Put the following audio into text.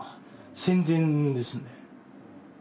戦前ですね。